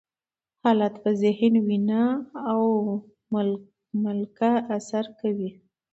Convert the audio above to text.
حالات په ذهن، وینه او ملکه اثر کوي.